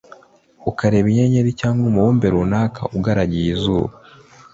ukareba inyenyeri cyangwa umubumbe runaka ugaragiye izuba